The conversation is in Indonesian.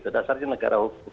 dasarnya negara hukum